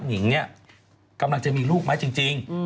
นิงเนี่ยกำลังจะมีลูกไหมจริง